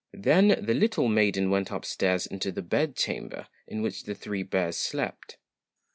Then the little maiden went upstairs into the bedchamber in which the Three Bears slept.